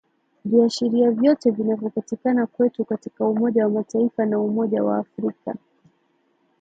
Viashiria vyote vinavyopatikana kwetu katika umoja wa Mataifa na umoja wa africa